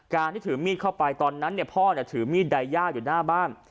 การที่ถือมีดเข้าไปตอนนั้นเนี่ยพ่อเนี่ยถือมีดใดยากอยู่หน้าบ้าน